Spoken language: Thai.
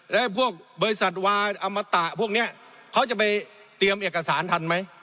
แล้วพวกบริษัทวาอมตะพวกนี้เขาจะไปเตรียมเอกสารทันไหม